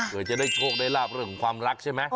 กลัวจะได้โชคได้ราบเรื่องความรักใช่ไหม